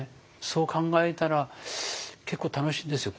そう考えたら結構楽しいんですよ。